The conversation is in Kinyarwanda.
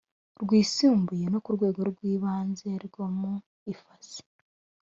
Rwisumbuye no ku rwego rw Ibanze bwo mu ifasi